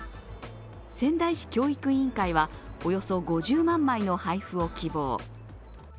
仙台市教育委員会はおよそ５０万枚の配布を希望。